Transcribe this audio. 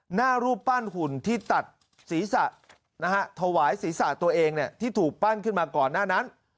หน้ารูปปั้นหุ่นที่ตัดศีรษะถวายศีรษะตัวเองที่ถูกปั้นขึ้นมาก่อนหน้านั้น